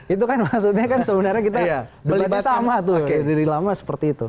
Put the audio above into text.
itu kan maksudnya kan sebenarnya kita debatnya sama tuh dari lama seperti itu